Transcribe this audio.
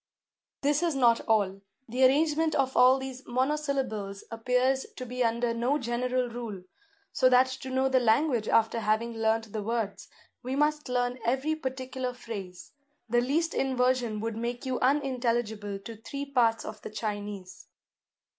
This is not all: the arrangement of all these monosyllables appears to be under no general rule; so that to know the language after having learnt the words, we must learn every particular phrase: the least inversion would make you unintelligible to three parts of the Chinese.